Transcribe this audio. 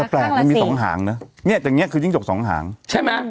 แต่แปลกมันมีสองหางเนอะเนี้ยจากเนี้ยคือจิ้งจกสองหางใช่ไหม